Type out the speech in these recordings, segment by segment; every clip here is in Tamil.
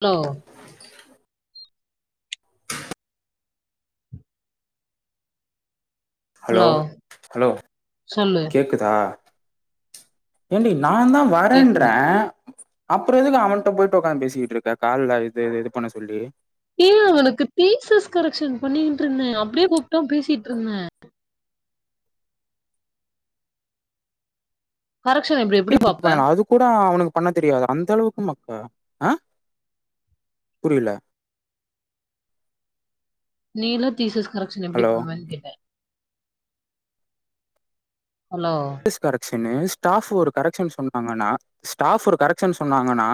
ஹலோ [unintelligible] ஹலோ ஹலோ சொல்லு கேக்குதா ஏன்டி நான் தான் கேக்குது வரேன்றறேன் அப்பறம் எதுக்கு அவன்னிட்ட போயிட்டு உடக்காந்து பேசிக்கிட்டு இருக்க கால்ல இது இது இது பண்ண சொல்லியி ஏன் அவனுக்கு தீசஸ் கரெக்ஷன் பண்ணிட்டு இருந்தேன் அப்டியே கூப்பிட்டான் பேசிட்டு இருந்தேன் கரெக்ஷன் எப்டி எப்டி இப்ப பாப்ப அது கூட அவனுக்கு பண்ண தெரியாது அந்த அளவுக்கு மக்க ஆ புரியல நீல தீசஸ் கரெக்ஷன் எப்படி ஹலோ பண்ணுவேன்னு கேட்டேன் hello this correction is staff ஒரு கரெக்ஷன் சொன்னாங்கன்னா ஸ்டாஃப் ஒரு கரெக்ஷன் சொன்னாங்கன்னா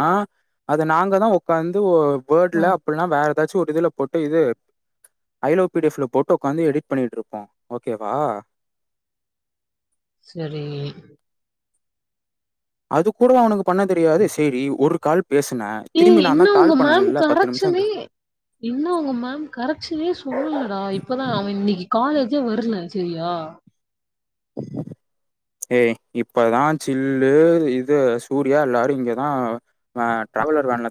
அது நாங்கள் தான் உ்காந்து வேர்ட்ல ஆ அப்டியல்லாம் வேற ஏதாச்சும் ஒரு இதுல போட்டு இது அய்ஓபில போட்டோ உட்காந்து எடிட் பண்ணட்டு இருப்போம் ஓகேவ செரி அது கூூட அவனுக்கு பண்ண தெரியாது சரி ஒரு கால் பேசுனேன் ஏ திரும்பி நான் தான் இன்னும் உங்க கால் மேம் பண்ணல பத்து நிமிஷம் கரைச்சனே இன்னும் உங்க மேம் கரைச்சனே சொல்லுலடா இப்தான் அவன் இன்னைக்கு காலேஜேவரல செரியா ஏய் இப்தான் சில்லு இது சூர்யா எல்லாரும் இங்கதான் டிராவலர் வேண்ல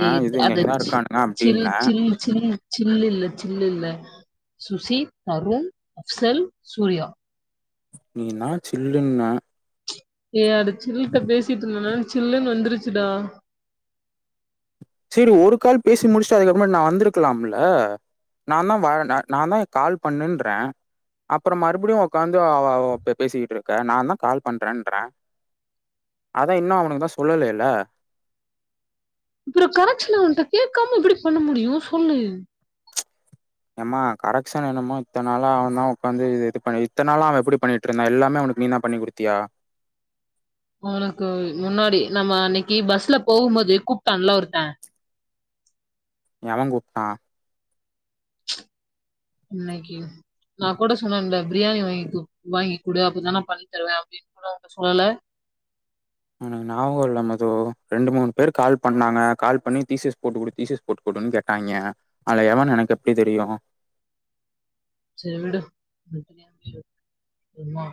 ஏ அது சில் அப்டின்ன ச்சிலு ச்சிலு சில் இல்ல சில்ல இல்ல சுசி தருண் அப்சல் சூர்யா நீ நான் சில்லுண்ண ஏ அட சில்லுட்ட பேசிட்டு இருந்தேனான சில்லுன்னு வந்துருச்சுடா செரி ஒரு கால் பேசி முடிச்சுட்டு அதுக்கப்புறம் நான் வந்திருக்கலாம்ல நான் தான் நான் தான் கால் பண்ணுன்றறேன் அப்பறம் மறுபடியும் உட்காந்து அவ பேசிட்டு இருக்கேன் நான் தான் கால் பண்றேன்றறேன் அதான் இன்னும் அவனுக்குதான் சொல்லல்ல அப்பறம் கரைச்சன வந்துிட்ட கேட்காம எப்படி பண்ண முடியும் சொல்லு ஏம்மா கரெக்ஷன் என்னமே இத்தனால அவன் தான் உட்க வந்து இது பண்ண இத்தனாள அவன் எப்டி பண்ணிட்டு இருந்தான் எல்லாமே அவனக்கு நீ தான் பண்ணி குடுத்தியா உனக்கு முன்னாடி நம்ம அன்னைக்கு பஸ்ல போகும்போது கூப்பிட்டான்ல்லா ஒருத்தேன் எவன் கூப்பட்டான் இச்சே இன்னைக்கு நான கூட சொன்னேன்ல பிரியாணி வாங்கித்து வாங்கி குடு அப்டிதா நா பண்ணித் தருவ அப்டின்னு கூட உன்ட்ட சொல்லல எனக்கு ஞாபகம் இல்ல மது ரெண்டு மூணு பேர் கால் பண்ணாங்க கால் பண்ணி தீசஸ் போட்டு க்குடு தீசஸ் போட்டுக்குடுன்னு கேட்டாய்ங்க அது எவன்னு எனக்கு எப்டி தெரியு செரி விடு உமா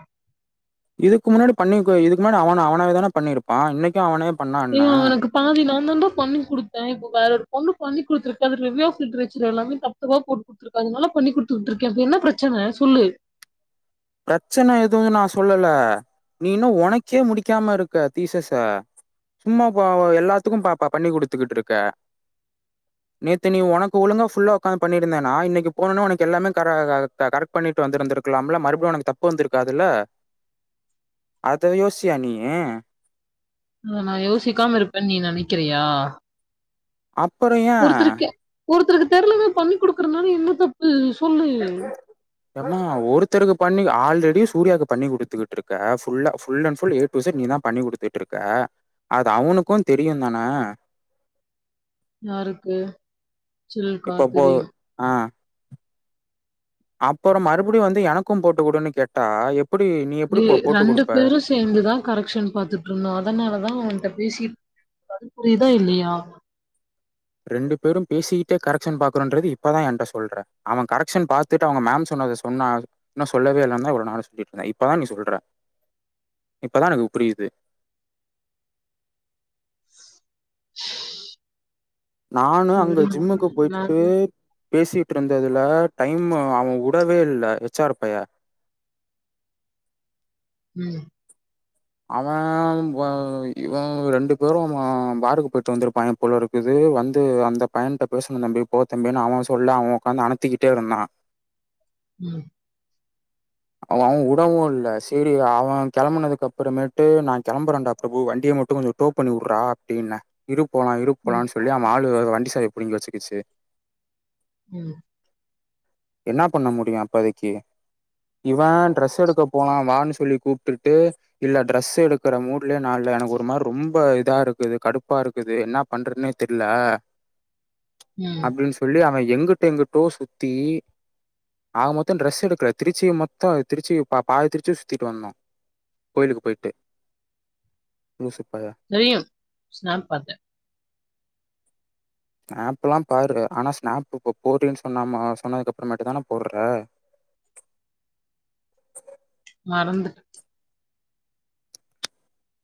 இதுக்கு முன்னாடி பண்ணிருக்கோ இதுக்கு முன்னாடி அவ அவனேதான பண்ணிருப்பா இன்னைக்கு அவனே ஏய் பண்ணான்னா? உனக்கு பாதினா அதனாலதா பண்ணி குடுத்தே இப்ப வேற ஒரு பொண்ணு பண்ணி குடுத்துருக்கா அது ரிவ்யூ ஆஃப் த லிட்ரேச்சர் எல்லாமே தப்பு தப்பா போட்டு குடுத்துருக்கா அதனால பண்ணி குடுத்துட்டு இருக்கே இப்ப என்ன பிரச்சனை சொல்லு பிரச்சனை எதுவும்மே நான் சொல்லல நீ இன்னும் உனக்கே முடிக்காம இருக்க தீசஸ்ச சும்மா எல்லாத்துக்கும் பா பண்ணி குடுக்கிட்டு இருக்க நேத்து நீ உனக்கு ஒழுங்கா ஃபுல்லா உக்காந்து பண்ணிருந்தோ இன்னைக்கு போனோனே உனக்கு எல்லாமே கரெக்ட் பண்ணிட்டு வந்தந்திருக்கலாம்முல மறுபடிய உனக்கு தப்பு வந்திருக்காதுல்ல அத யோசியா நீ அத நான் யோசிக்காம இருப்பேன்னு நீ நினைக்கிறியா அப்புறம் ஏன் ஒருத்தருக்கு தெரியலனா பண்ணி் குடுக்குறதுனால என்ன தப்பு சொல்லு ஏமா ஒருத்தருக்கு பண்ணி ஆல்ரெடி சூர்யாவுக்கு பண்ணி குடுத்துக்கிட்டு இருக்க ஃபுல்லா full and full A to இசைட் நீதான் பண்ணி குடுத்துட்டு இருக்க அது அவனுக்கும் தெரியும் தானே யாருக்கு சில்க்கா இப்ப போ தெரியும் அப்புறம் மறுபடியும் வந்து எனக்கும் போட்டுக்கொடுன்னு கேட்டா எப் ஏய் ரெண்டு பேரும் சேர்ந்துதான் கரெக்ஷன் பாத்துட்டு இருந்தோம் அதனாலதான் அவன்ட்ட பேசினது புரியுதா இல்லையா ரெண்டு பேரும் பேசிட்டே கரெக்ஷன் பாக்குறோன்றது இப்பதா என்ட்ட சொல்ற அவ கரெக்ஷன் பாத்துட்டு அவங்க மேம் சொன்னத சொன்னா இன்னு சொல்லவே இல்லன்னுதா இவ்ளோ நாள் சொல்லிட்டு இருந்தா இப்பதா நீ சொல்ற இப்பதா எனக்கு புரியுது நானு சரி அங்க ஜிம்முக்கு விடுங்க போயிட்டு நாங்க பேசிட்டு இருந்ததுல டைம் அவன் விடவே இல்ல எச்ஆர் பைய உம் அவன் இவன் ரெண்டு பேரும் அவன் பாருக்கு போயிட்டு வந்திருப்பான்ங்க போல இருக்குது வந்து அந்த பையனிட்ட பேசனும் தம்பி போகத்தம்பின்னு அவன் சொல்ல அவன் உட்காந்து அனுத்திக்கிட்டே இருந்தான் உம் அவன் உடவும் இல்ல சரி அவன் கிளம்புனதுக்கு அப்புறமேட்டு நான் கிளம்புறேன்டா பிரபு வண்டியை மட்டும் கொஞ்சம் டோ பண்ணி விடுறா அப்படின்னா இரு போலா இரு ம் போலான்னு சொல்லி அவ ஆளு [unintelligible] வண்டி சாவிய புடிங்கி வச்சுக்கிச்சு உம் என்னா பண்ண முடியு அப்போதைக்கி இவ டிரெஸ் எடுக்க போலா வான்னு சொல்லி கூப்ட்டுட்டு இல்ல டிரெஸ் எடுக்கற மூட்லயே நா இல்ல எனக்கு ஒரு மாரி ரொம்ப இதா இருக்குது கடுப்பா இருக்குது என்ன பண்றதுனே தெர்ல ம் அப்டின்னு சொல்லி அவை எங்கிட்டு எங்கிட்டோ சுத்தி ஆக மொத்தோ டிரெஸ் எடுக்கல திருச்சிய மொத்தோ திருச்சிய பா பாதி திருச்சிய சுத்திட்டு வந்தோ கோயிலுக்கு போயிட்டு லூசு பயல தெரியு ஸ்நாப் பாத்தே ஸ்நாப் எல்லா பாரு ஆனா ஸ்நாப் இப்ப போடுறேன்னு சொன்னாம சொன்னதுக்கு அப்புறமேட்டுதான போடுற மறந்துட்டேன்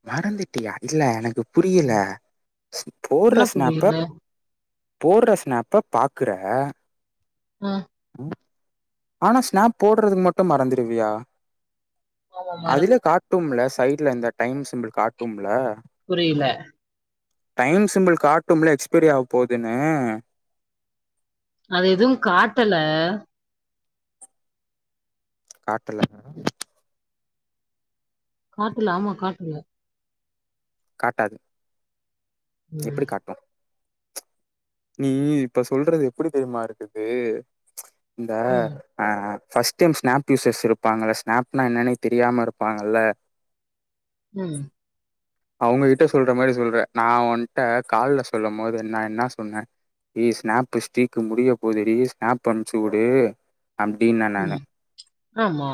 மறந்துட்டியா இல்ல எனக்கு புரியல ம் என்ன போடுறஸ்னாப்ப புரியல போடுறஸ்னாப்ப பாக்குற ஆஹ ஆனா ஸ்நாப் போடுறதுக்கு மட்டும் மறந்துடுவியா ஆமா அதுல மறந்துட்டே காட்டும்ல சைட் இல்ல இந்த டைம் சிம்பிள் காட்டும்ல புரியல டைம் சிம்பிள் காட்டும்ல எக்ஸ்பைரி ஆக போதுன்னு அது எதுவும் காட்டல காட்டல காட்டுல ஆமா காட்டுல காட்டாது ம் எப்டி காட்டும் நீ இப்ப சொல்றது எப்டி தெரியுமா இருக்குது இந்த ம் ஆஹ் ஃபர்ஸ்ட் டைம் ஸ்நாப் யூசஸ் இருப்பாங்கள ஸ்னாப்னா என்னன்னே தெரியாம இருப்பாங்கல்ல ம் அவுங்க கிட்ட சொல்ற மாரி சொல்றே நான் உன்ட்ட கால்ல சொல்லும் போது நா என்ன சொன்னே ஏ ஸ்நாப் ஸ்டீக் முடிய போது டீ ஸ்நாப் அனுச்சி வுடு அப்டின்ன நானு உம் ஆமா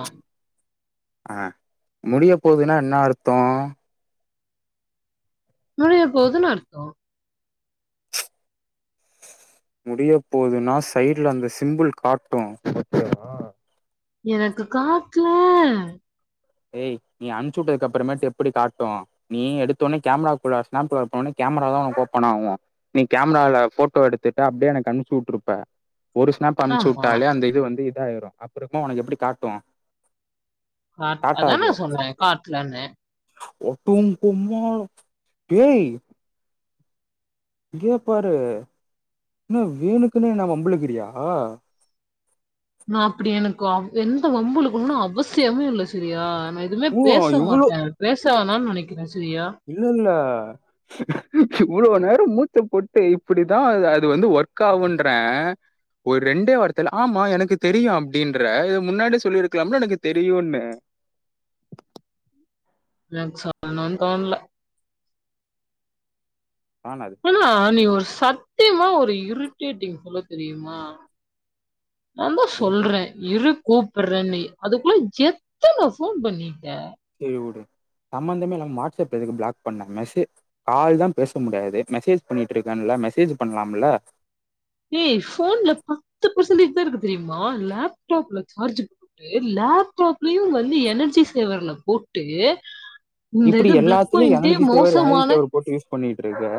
அ முடிய போகுதுன்னா என்ன அர்த்தோம் நுழைய போதுனு அர்த்தோம் முடிய போதுன்னா சைடுல அந்த சிம்பிள் காட்டு ஓகே வா எனக்கு காட்லா ஏய் நீ அம்ச்சிவுட்டது அப்பறமேட்டு எப்டி காட்டோ நீ எடுத்தோவுனே கேமராக்குள்ள ஸ்னாப் போனவுனே கேமராதா உனக்கு ஓப்பன் ஆகும் நீ கேமரால போட்டோ எடுத்துட்டு அப்டியே எனக்கு அம்ச்சிவுட்டுருப்ப ஒரு ஸ்னாப் ஆமா. அம்ச்சிவுட்டாலே அந்த இது வந்து கிளிக் ஆயிடும் அப்புறமா உனக்கு எப்டி காட்டு அ அதா நா காட்டாது சொன்னே காட்லன்னு டும் டும்மோ பேய் இங்கே பாரு என்ன வேணுக்குன்னே என்ன வம்புழுக்கிறியா நா அப்டி எனக்கோ எந்த வம்புழுக்கனுன்னு அவசியமே இல்ல செரியா நா எதுவுமே ஓ பேச இவ்ளோ மாட்டேன் பேச விக்லாம நினைக்கிறே இல்ல இல்ல இவ்ளோ நேர மூச்ச போட்டு இப்டிதா அது வந்து ஒர்க் ஆகுன்றேன் ஒரு ரெண்டே வார்த்தைல ஆமா எனக்கு தெரியு அப்டின்ற இத முன்னாடியே சொல்லிருக்கலாம்ல எனக்கு தெரியுன்னு எனக்கு சொல்லனுனு தோன்ல ஆனா அனா நீ ஒரு சத்தியமா ஒரு இரிட்டேட்டிங் ஃபெல்லோ தெரியுமா நான்தா சொல்றேன் சேரி இரு கூப்புறேன்னு அதுக்குள்ள எத்தன போன் பண்ணிட்ட செரி வுடு சம்பந்தமே இல்லாம வாட்ஸ்அப் எதுக்கு பிளாக் பண்ணே மெசே கால் தா பேச முடியாது மெசேஜ் பண்ணிட்டு இருக்கேன்ல மெசேஜ் பண்ணலாம்ல ஏ போன்ல பத்து பர்சன்டேஜ் தா இருக்கு தெரியுமா லேப்டாப்ல சார்ஜ் போட்டு லேப்டாப்லையும் வந்து எனர்ஜி சேவர்ல போட்டு இந்த இப்டி இது பிளக் எல்லாத்துமே பாயிண்டே எனர்ஜி சேவர் எனர்ஜி மோசமான சேவர் போட்டு யூஸ் பண்ணிட்டு இருக்க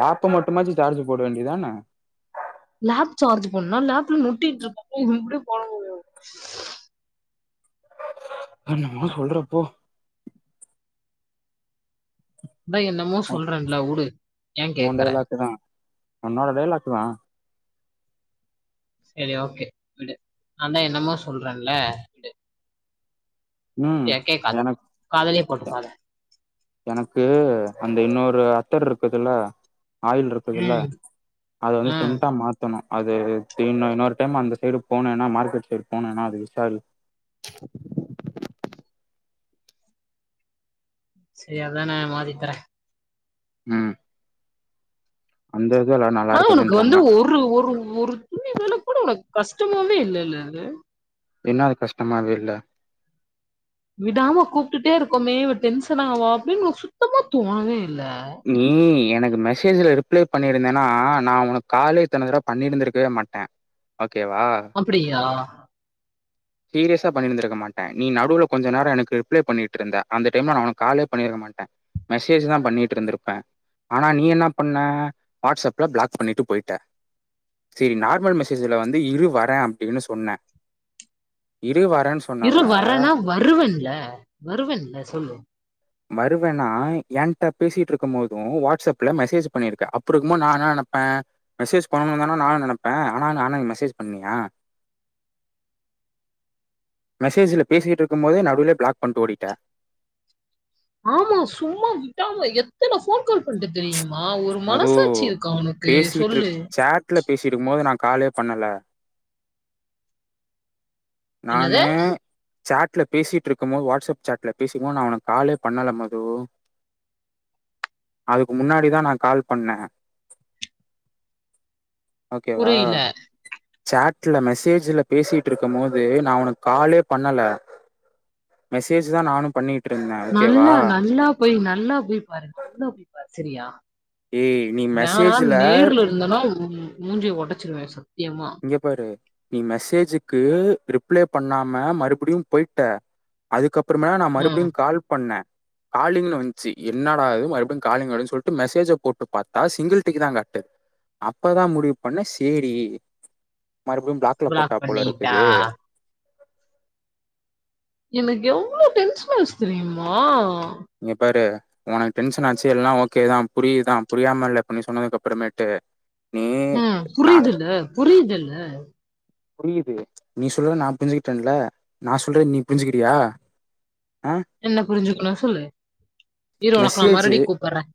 லேப்ப மட்டுமாச்சு சார்ஜ் போட வேண்டியதானே லேப் சார்ஜ் பண்ணனா லேப்ல நொட்டட்டு இருக்க இன்னே போட முடியும் என்னமோ சொல்றப்போ அதான் என்னமோ சொல்றேன்ல உடு ஏன் உன் கேக்குறேன் டைலாக்கு தா உன்னோட டைய்லாக்குத்தான் சரி ஓகே விடு நான் தான் என்னமோ சொல்றேன்ல விடு ம் சரியா கேக்காத எனக் காதலே உண்மதானே எனக்கு அந்த இன்னொரு அத்தர் இருக்குதுல ஆயில் இருக்குதுல ம் அதை வந்து ம் சென்ட்டா மாத்தணும் அது இன்னும் இன்னொரு டைம் அந்த சைடு போனேன்னா மார்க்கெட் சைடு போனேன்னா அது விசாரி சரி அதானே மாத்தித்தறேன் ஹம் அந்த ஆஹ் உனக்கு இருக்குதுன்றாங்க வந்து ஒரு ஒரு ஒரு துளி வேலை கூட உனக்கு கஷ்டமமே இல்ல இல்லது என்ன அது கஷ்டமாவே இல்ல விடாம கூப்பிட்டுட்டே இருக்கோமே இவ டென்ஷன் ஆவா அப்டின்னு உனக்கு சுத்தமா தோனவேயில்ல நீ எனக்கு மெசேஜ்ல ரிப்ளை பண்ணியிருந்தேனா நான் உனக்கு காலே இத்தன்னத்தடவ பண்ணிருந்திருக்கவே மாட்டேன் ஓகேவா? அப்படிய்யா சீரியஸா பண்ணிருந்திருக்க மாட்டேன் நீ நடுவுல கொஞ்ச நேரம் எனக்கு ரிப்ளை பண்ணிட்டு இருந்த அந்த டைம்ல நான் உனக்கு காலே பண்ணிருக்க மாட்டேன் மெசேஜ் தான் பண்ணிட்டு இருந்திருப்பேன் ஆனா நீ என்ன பண்ண வாட்ஸ்அப்ல பிளாக் பண்ணிட்டு போயிட்ட சரி நார்மல் மெசேஜ்ல வந்து இரு வரேன் அப்படின்னு சொன்னே இரு வரேன்னா வருவேன்ல வருவேன்ல சொல்லு வருவேன்னா எனக்கிட்ட பேசிட்டு இருக்கும் போதும் வாட்ஸ்அப்ல மெசேஜ் பண்ணியிருக்கேன் அப்படி இருக்கும்மோ நான் என்ன நினைப்பேன் மெசேஜ் பண்ணணும்னுந்தானா நான நினைப்பேன் ஆனா நானா மெசேஜ் பண்ணியன் மெசேஜ்ல பேசிட்டு இருக்கும் போதே நடுவுலே பிளாக் பண்ணிட்டு ஓடிட்ட ஆமா சும்மா விட்டாம எத்தனை போன் கால் பண்ணிட்டு தெரியுங்க அதோ பேசிட்டு இரு சொல்லு. சேட்ல பேசி இருக்கும் போது நா காலே பண்ணல என்னது? நானே சாட்ல பேசிட்டு இருக்கும் மோது வாட்ஸ்அப் சாட்ல பேசிக்கும்போது நான் உனக்கு காலே பண்ணல மது அதுக்கு முன்னாடிதான் நான் கால் பண்ணேன் ஓகேவா புரியல. சாட் ல மெசேஜ்ல பேசிட்டு இருக்கு மோது நான் உனக்கு காலே பண்ணல மெசேஜ் தான் நானும் பண்ணிட்டு நல்லா நல்லா போய் நல்லா போய் பாரு நல்லா போய் பாரு சிரியா ஏய் நீ மெசேஜ்ல உ மூஞ்சு ஒடச்சுருவேன் சார் இங்க பாரு நீ மெசேஜ்க்கு ரிப்பிளே பண்ணாம மறுபடியும் போயிட்ட அதுக்கப்புற அப்பறமே நான் ம். மறுபடியும் கால் பண்ணேன் காலிங்ன்னனு வந்துச்சு என்னடாது மறுபடியும் காலிங்னு சொல்லிட்டு மெசேஜ போட்டு பார்த்தா சிங்கிள் டிக்கு தான் காட்டுது அப்பதான் முடிவு பண்ண செரி மறுபடியும் பிளாக்ல போட்டா பிளாக் போல பண்ணிட்டா. இருக்குது எனக்கு எவ்ளோ டென்ஷன் ஆச்சு தெரியுமா இங்க பாரு உனக்கு டென்ஷன் ஆச்சு எல்லாம் ஓகேதான் புரியதான் புரியாம இல்ல இப்பண்ணி சொன்னதுக்கு அப்பறமேட்டு உஹம் புரியுதுல்ல புரியுதுல்ல புரியுது நீ சொல்றத நான் புரிஞ்சுக்கிட்டேன்ல நான் சொல்ற நீ புரிஞ்சுகிறியா என்ன புரிஞ்சுக்கணும் சொல்லு இரு உனக்கு நான மெசேஜ் மறுபுடியும் கூப்பறேன்